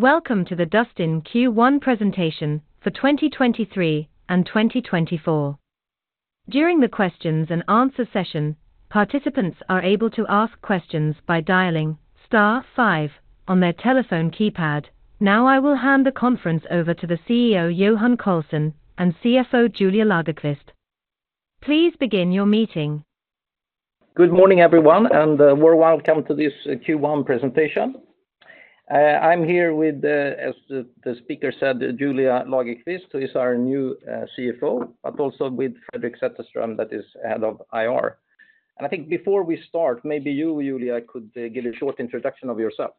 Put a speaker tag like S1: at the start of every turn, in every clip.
S1: Welcome to the Dustin Q1 presentation for 2023 and 2024. During the Q&A session, participants are able to ask questions by dialing star five on their telephone keypad. Now, I will hand the conference over to the CEO, Johan Karlsson, and CFO, Julia Lagerqvist. Please begin your meeting.
S2: Good morning, everyone, and warm welcome to this Q1 presentation. I'm here with, as the speaker said, Julia Lagerqvist, who is our new CFO, but also with Fredrik Sätterström, that is Head of IR. And I think before we start, maybe you, Julia, could give a short introduction of yourself.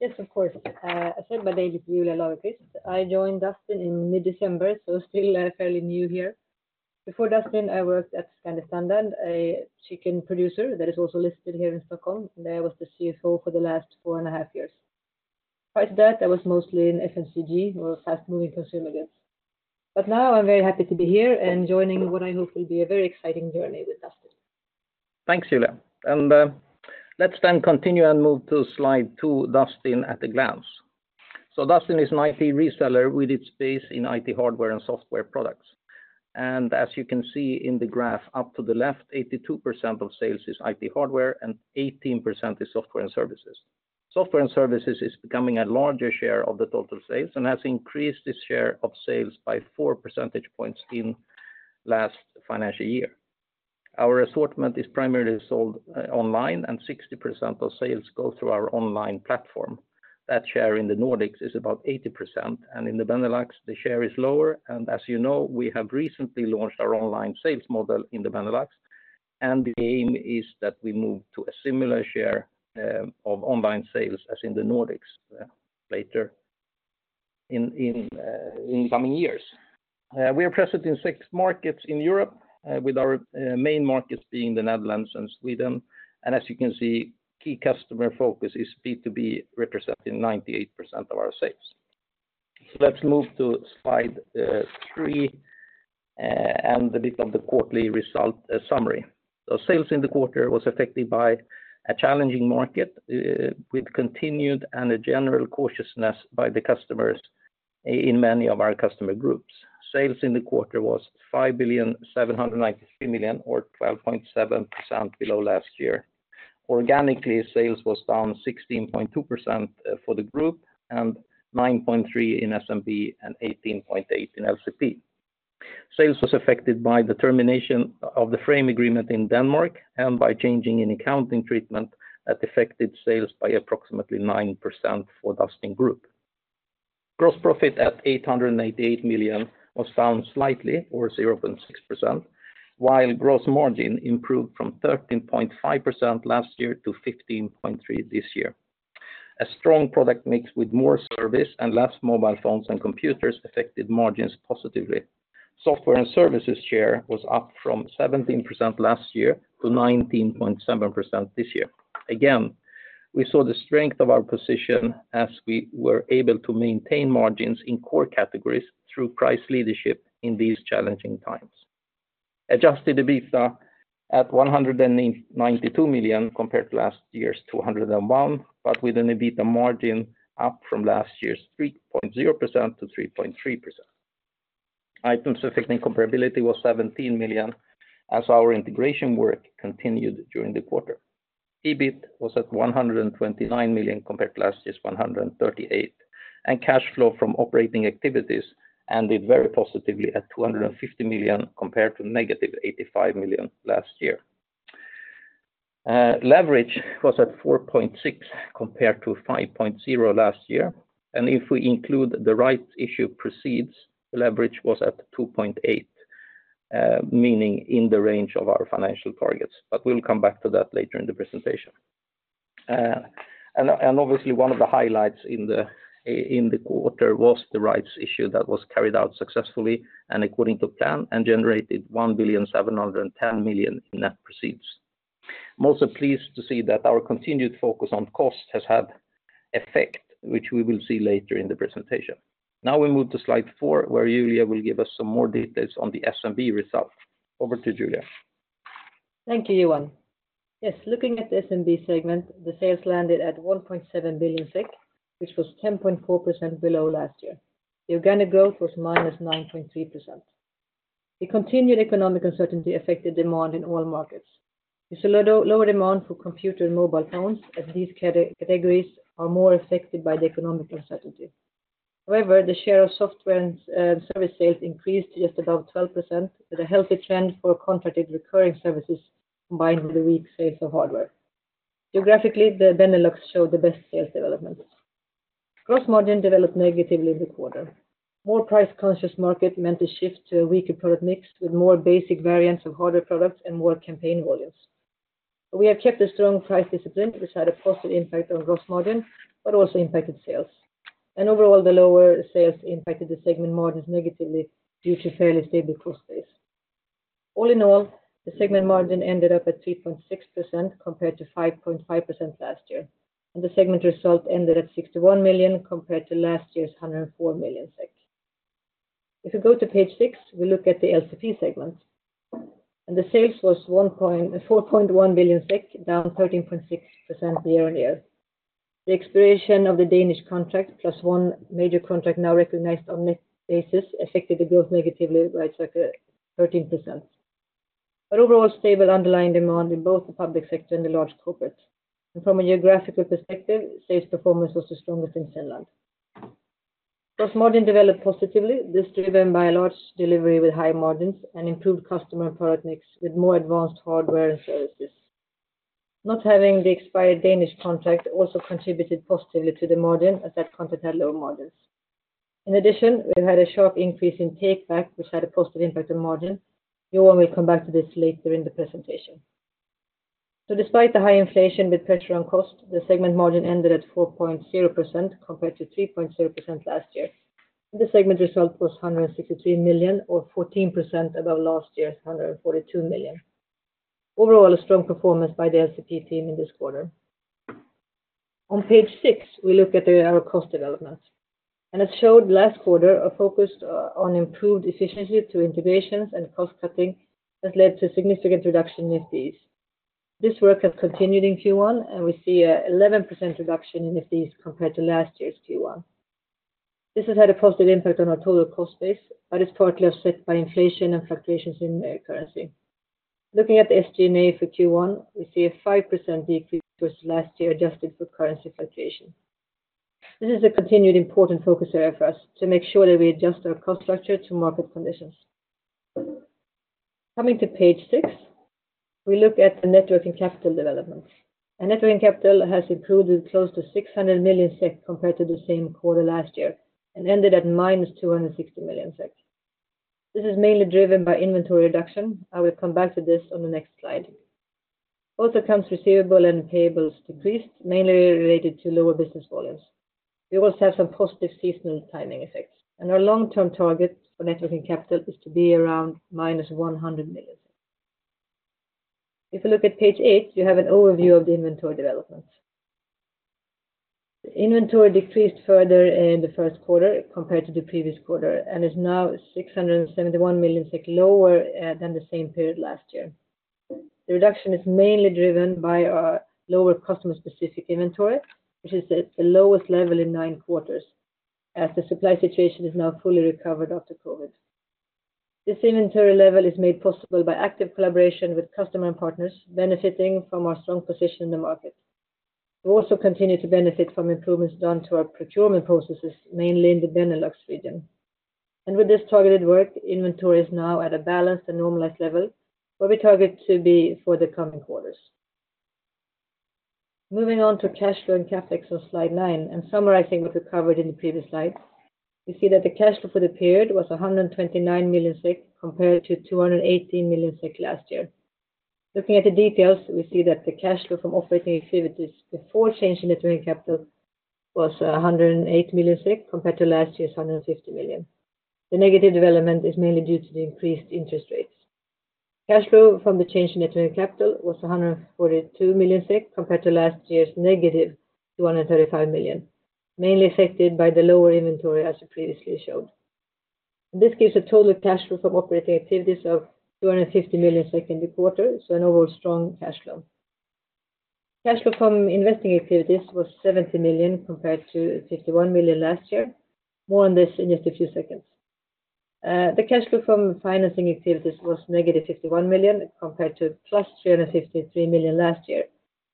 S3: Yes, of course. As said, my name is Julia Lagerqvist. I joined Dustin in mid-December, so still fairly new here. Before Dustin, I worked at Scandi Standard, a chicken producer that is also listed here in Stockholm, and I was the CFO for the last four and a half years. Prior to that, I was mostly in FMCG or fast-moving consumer goods. But now I'm very happy to be here and joining what I hope will be a very exciting journey with Dustin.
S2: Thanks, Julia. Let's then continue and move to slide two, Dustin at a glance. Dustin is an IT reseller with its base in IT hardware and software products. As you can see in the graph up to the left, 82% of sales is IT hardware and 18% is software and services. Software and services is becoming a larger share of the total sales and has increased its share of sales by 4 percentage points in last financial year. Our assortment is primarily sold, online, and 60% of sales go through our online platform. That share in the Nordics is about 80%, and in the Benelux, the share is lower. As you know, we have recently launched our online sales model in the Benelux, and the aim is that we move to a similar share of online sales as in the Nordics later in coming years. We are present in 6 markets in Europe with our main markets being the Netherlands and Sweden. As you can see, key customer focus is B2B, representing 98% of our sales. Let's move to slide 3 and a bit of the quarterly result summary. Sales in the quarter was affected by a challenging market with continued and a general cautiousness by the customers in many of our customer groups. Sales in the quarter was 5,793 million, or 12.7% below last year. Organically, sales was down 16.2%, uh, for the group, and 9.3 in SMB, and 18.8 in LCP. Sales was affected by the termination of the frame agreement in Denmark and by changing an accounting treatment that affected sales by approximately 9% for Dustin Group. Gross profit at 888 million was down slightly, or 0.6%, while gross margin improved from 13.5% last year to 15.3% this year. A strong product mix with more service and less mobile phones and computers affected margins positively. Software and services share was up from 17% last year to 19.7% this year. Again, we saw the strength of our position as we were able to maintain margins in core categories through price leadership in these challenging times. Adjusted EBITDA at 192 million, compared to last year's 201 million, but with an EBITDA margin up from last year's 3.0% to 3.3%. Items affecting comparability was 17 million, as our integration work continued during the quarter. EBIT was at 129 million, compared to last year's 138 million, and cash flow from operating activities ended very positively at 250 million, compared to -85 million last year. Leverage was at 4.6, compared to 5.0 last year, and if we include the rights issue proceeds, leverage was at 2.8, meaning in the range of our financial targets, but we'll come back to that later in the presentation. Obviously, one of the highlights in the quarter was the rights issue that was carried out successfully and according to plan and generated 1,710 million in net proceeds. I'm also pleased to see that our continued focus on cost has had effect, which we will see later in the presentation. Now, we move to slide 4, where Julia will give us some more details on the SMB results. Over to Julia.
S3: Thank you, Johan. Yes, looking at the SMB segment, the sales landed at 1.7 billion SEK, which was 10.4% below last year. The organic growth was -9.3%. The continued economic uncertainty affected demand in all markets. It's a lower demand for computer and mobile phones, as these categories are more affected by the economic uncertainty. However, the share of software and service sales increased to just about 12%, with a healthy trend for contracted recurring services, combined with the weak sales of hardware. Geographically, the Benelux showed the best sales development. Gross margin developed negatively in the quarter. More price-conscious market meant a shift to a weaker product mix, with more basic variants of hardware products and more campaign volumes. We have kept a strong price discipline, which had a positive impact on gross margin, but also impacted sales. Overall, the lower sales impacted the segment margins negatively due to fairly stable cost base. All in all, the segment margin ended up at 3.6%, compared to 5.5% last year, and the segment result ended at 61 million, compared to last year's 104 million SEK. If you go to page six, we look at the LCP segment, and the sales was 4.1 billion SEK, down 13.6% year-on-year. The expiration of the Danish contract, plus one major contract now recognized on net basis, affected the growth negatively by 13%. But overall, stable underlying demand in both the public sector and the large corporate. From a geographical perspective, sales performance was the strongest in Finland. Gross margin developed positively, this driven by a large delivery with high margins and improved customer product mix with more advanced hardware and services. Not having the expired Danish contract also contributed positively to the margin, as that contract had low margins. In addition, we had a sharp increase in Takeback, which had a positive impact on margin. Johan will come back to this later in the presentation. So despite the high inflation with pressure on cost, the segment margin ended at 4.0%, compared to 3.0% last year. The segment result was 163 million, or 14% above last year's 142 million. Overall, a strong performance by the LCP team in this quarter. On page 6, we look at our cost developments. As showed last quarter, a focus on improved efficiency through integrations and cost cutting has led to significant reduction in FTEs. This work has continued in Q1, and we see an 11% reduction in FTEs compared to last year's Q1. This has had a positive impact on our total cost base, but is partly offset by inflation and fluctuations in the currency. Looking at the SG&A for Q1, we see a 5% decrease versus last year, adjusted for currency fluctuation. This is a continued important focus area for us to make sure that we adjust our cost structure to market conditions. Coming to page six, we look at the net working capital developments. Our net working capital has improved close to 600 million SEK compared to the same quarter last year, and ended at -260 million SEK. This is mainly driven by inventory reduction. I will come back to this on the next slide. Also, accounts receivable and payables decreased, mainly related to lower business volumes. We also have some positive seasonal timing effects, and our long-term target for net working capital is to be around -100 million. If you look at page 8, you have an overview of the inventory developments. The inventory decreased further in the Q1 compared to the previous quarter, and is now 671 million SEK lower than the same period last year. The reduction is mainly driven by our lower customer-specific inventory, which is at the lowest level in 9 quarters, as the supply situation is now fully recovered after COVID. This inventory level is made possible by active collaboration with customer and partners, benefiting from our strong position in the market. We also continue to benefit from improvements done to our procurement processes, mainly in the Benelux region. With this targeted work, inventory is now at a balanced and normalized level, where we target to be for the coming quarters. Moving on to cash flow and CapEx on slide 9, and summarizing what we covered in the previous slide, we see that the cash flow for the period was 129 million, compared to 218 million last year. Looking at the details, we see that the cash flow from operating activities before change in net working capital was 108 million SEK, compared to last year's 150 million. The negative development is mainly due to the increased interest rates. Cash flow from the change in net working capital was 142 million SEK, compared to last year's -235 million, mainly affected by the lower inventory, as previously showed. This gives a total cash flow from operating activities of 250 million in the quarter, so an overall strong cash flow. Cash flow from investing activities was 70 million, compared to 51 million last year. More on this in just a few seconds. The cash flow from financing activities was -51 million, compared to +353 million last year.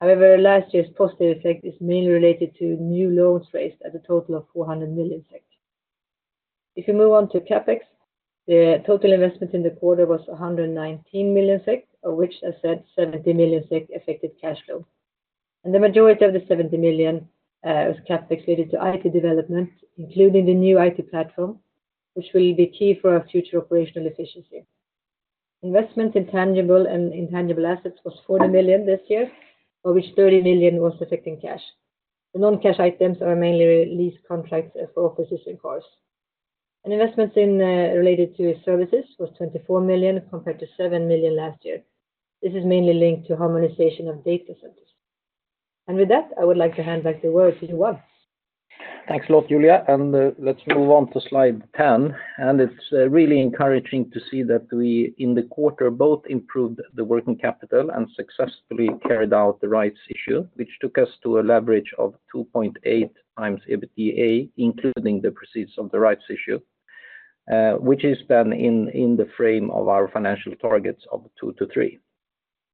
S3: However, last year's positive effect is mainly related to new loans raised at a total of 400 million. If you move on to CapEx, the total investment in the quarter was 119 million SEK, of which I said 70 million SEK affected cash flow. The majority of the 70 million was CapEx related to IT development, including the new IT platform, which will be key for our future operational efficiency. Investment in tangible and intangible assets was 40 million this year, of which 30 million was affecting cash. The non-cash items are mainly lease contracts for offices and cars. Investments related to services was 24 million, compared to 7 million last year. This is mainly linked to harmonization of data centers. With that, I would like to hand back the word to Johan.
S2: Thanks a lot, Julia, and let's move on to slide 10. It's really encouraging to see that we, in the quarter, both improved the working capital and successfully carried out the rights issue, which took us to a leverage of 2.8x EBITDA, including the proceeds of the rights issue, which is then in the frame of our financial targets of 2-3.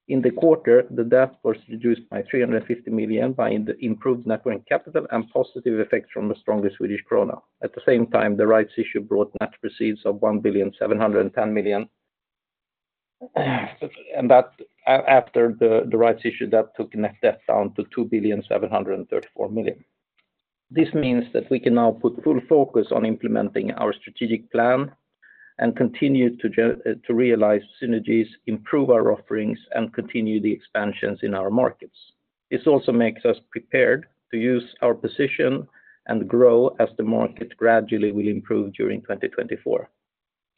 S2: In the quarter, the debt was reduced by 350 million by the improved net working capital and positive effects from the stronger Swedish krona. At the same time, the rights issue brought net proceeds of 1.71 billion. And that after the rights issue, that took net debt down to 2.734 billion. This means that we can now put full focus on implementing our strategic plan and continue to realize synergies, improve our offerings, and continue the expansions in our markets. This also makes us prepared to use our position and grow as the market gradually will improve during 2024.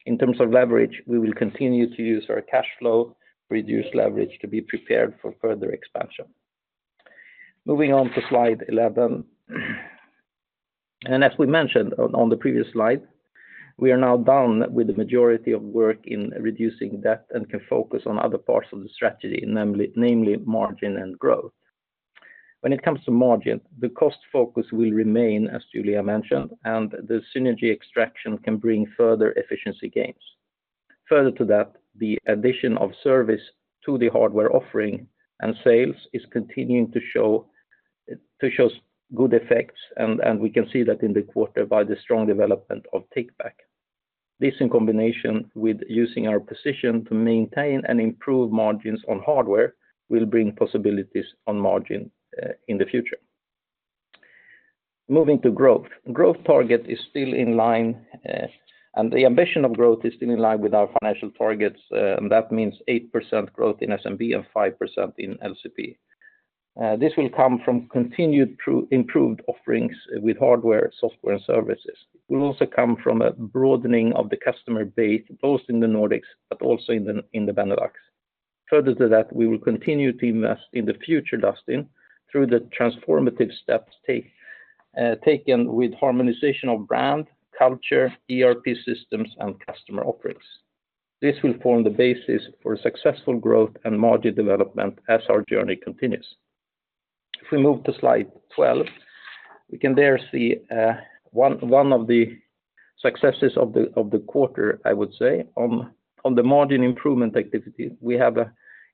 S2: In terms of leverage, we will continue to use our cash flow, reduce leverage to be prepared for further expansion. Moving on to slide 11. As we mentioned on the previous slide, we are now done with the majority of work in reducing debt and can focus on other parts of the strategy, namely margin and growth. When it comes to margin, the cost focus will remain, as Julia mentioned, and the synergy extraction can bring further efficiency gains. Further to that, the addition of service to the hardware offering and sales is continuing to show us good effects, and we can see that in the quarter by the strong development of Takeback. This, in combination with using our position to maintain and improve margins on hardware, will bring possibilities on margin in the future. Moving to growth. Growth target is still in line, and the ambition of growth is still in line with our financial targets, and that means 8% growth in SMB and 5% in LCP. This will come from continued through improved offerings with hardware, software, and services. It will also come from a broadening of the customer base, both in the Nordics but also in the Benelux. Further to that, we will continue to invest in the future Dustin, through the transformative steps taken with harmonization of brand, culture, ERP systems, and customer offerings. This will form the basis for successful growth and module development as our journey continues. If we move to slide 12, we can there see one of the successes of the quarter, I would say. On the margin improvement activity, we have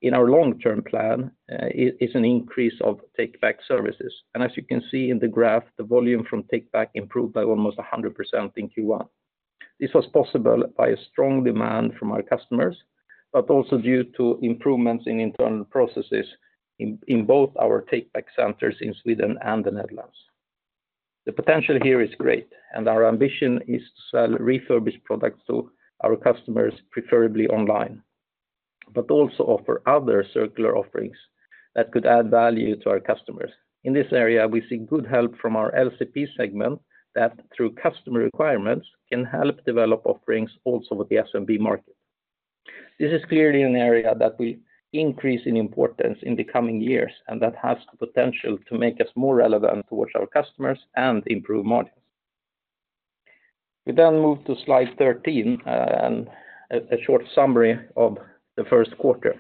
S2: in our long-term plan an increase of Takeback services. And as you can see in the graph, the volume from Takeback improved by almost 100% in Q1. This was possible by a strong demand from our customers, but also due to improvements in internal processes in both our Takeback centers in Sweden and the Netherlands. The potential here is great, and our ambition is to sell refurbished products to our customers, preferably online, but also offer other circular offerings that could add value to our customers. In this area, we see good help from our LCP segment, that through customer requirements, can help develop offerings also with the SMB market. This is clearly an area that will increase in importance in the coming years, and that has the potential to make us more relevant towards our customers and improve margins. We then move to slide 13 and a short summary of the Q1.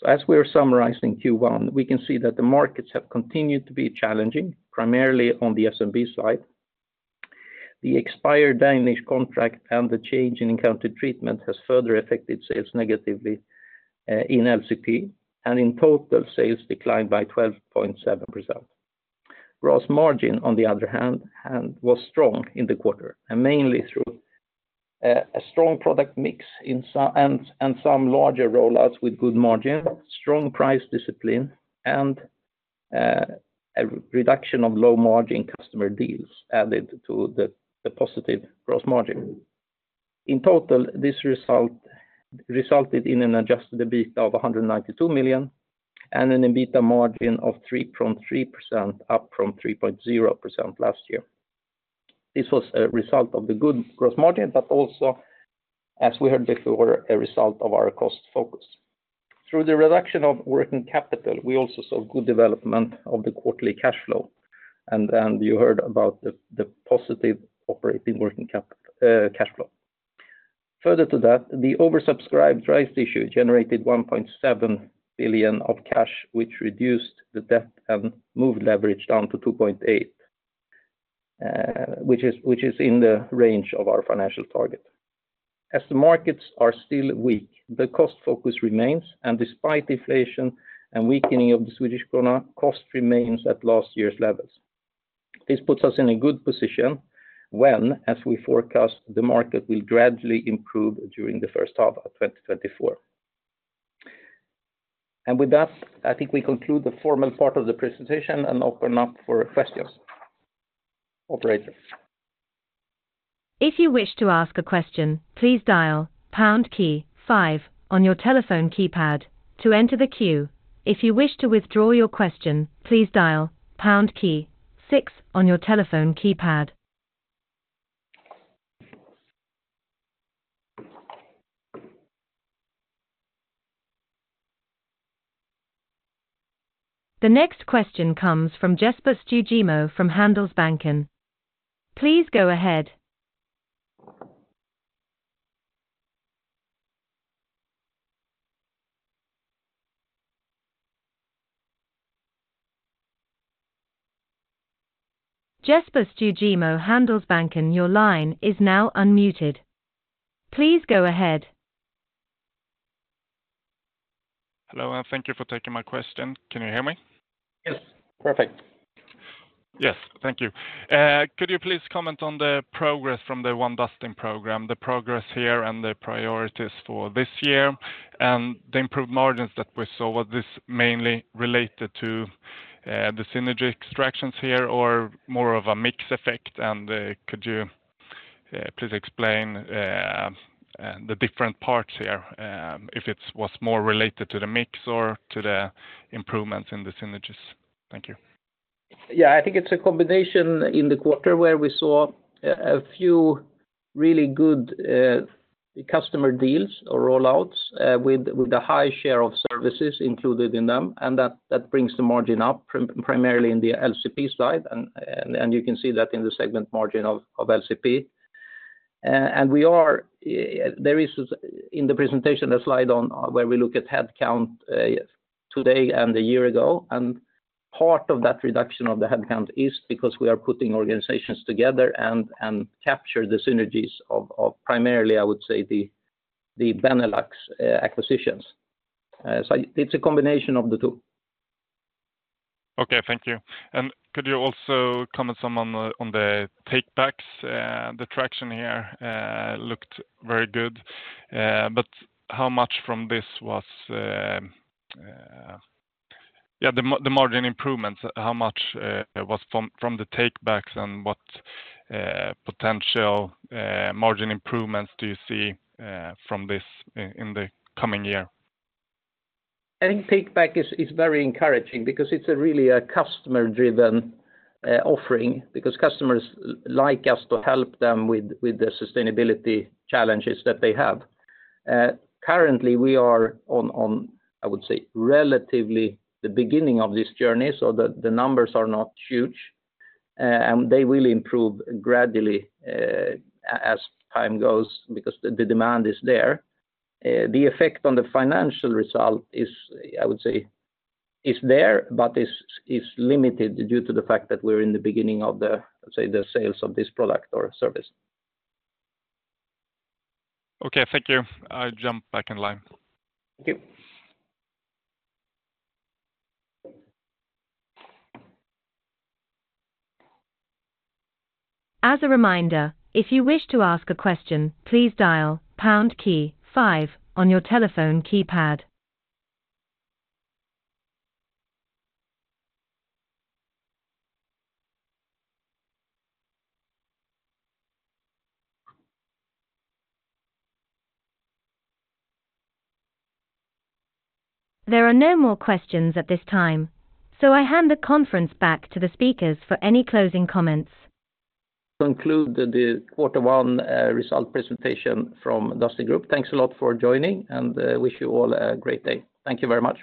S2: So as we are summarizing Q1, we can see that the markets have continued to be challenging, primarily on the SMB side. The expired Danish contract and the change in accounting treatment has further affected sales negatively in LCP, and in total, sales declined by 12.7%. Gross margin, on the other hand, was strong in the quarter, and mainly through a strong product mix and some larger rollouts with good margin, strong price discipline, and a reduction of low-margin customer deals added to the positive gross margin. In total, this result resulted in an adjusted EBITDA of 192 million, and an EBITDA margin of 3.3%, up from 3.0% last year. This was a result of the good gross margin, but also, as we heard before, a result of our cost focus. Through the reduction of working capital, we also saw good development of the quarterly cash flow, and you heard about the positive operating working capital cash flow. Further to that, the oversubscribed rights issue generated 1.7 billion of cash, which reduced the debt and moved leverage down to 2.8, which is in the range of our financial target. As the markets are still weak, the cost focus remains, and despite inflation and weakening of the Swedish krona, cost remains at last year's levels. This puts us in a good position when, as we forecast, the market will gradually improve during the H1 of 2024. And with that, I think we conclude the formal part of the presentation and open up for questions. Operator?
S1: If you wish to ask a question, please dial pound key five on your telephone keypad to enter the queue. If you wish to withdraw your question, please dial pound key six on your telephone keypad. The next question comes from Jesper Stugemo from Handelsbanken. Please go ahead. Jesper Stugemo, Handelsbanken, your line is now unmuted. Please go ahead.
S4: Hello, and thank you for taking my question. Can you hear me?
S2: Yes, perfect.
S4: Yes. Thank you. Could you please comment on the progress from the One Dustin program, the progress here and the priorities for this year, and the improved margins that we saw? Was this mainly related to the synergy extractions here or more of a mix effect? And could you please explain the different parts here if it was more related to the mix or to the improvements in the synergies? Thank you.
S2: I think it's a combination in the quarter where we saw a few really good customer deals or rollouts with a high share of services included in them, and that brings the margin up primarily in the LCP side, and you can see that in the segment margin of LCP. And there is in the presentation a slide on where we look at headcount today and a year ago, and part of that reduction of the headcount is because we are putting organizations together and capture the synergies of primarily, I would say, the Benelux acquisitions. So it's a combination of the two.
S4: Okay, thank you. Could you also comment some on the Takebacks? The traction here looked very good, but how much from this was the margin improvements, how much was from the Takebacks, and what potential margin improvements do you see from this in the coming year?
S2: I think Takeback is very encouraging because it's really a customer-driven offering, because customers like us to help them with the sustainability challenges that they have. Currently, we are, I would say, relatively at the beginning of this journey, so the numbers are not huge. And they will improve gradually as time goes because the demand is there. The effect on the financial result is, I would say, there, but is limited due to the fact that we're in the beginning of, let's say, the sales of this product or service.
S4: Okay, thank you. I jump back in line.
S2: Thank you.
S1: As a reminder, if you wish to ask a question, please dial pound key five on your telephone keypad. There are no more questions at this time, so I hand the conference back to the speakers for any closing comments.
S2: Conclude the quarter one result presentation from Dustin Group. Thanks a lot for joining, and wish you all a great day. Thank you very much.